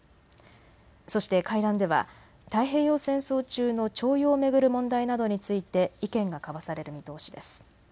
そして会談では太平洋戦争中の徴用を巡る問題などについて意見が交わされる見通しです。